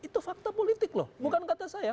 itu fakta politik loh bukan kata saya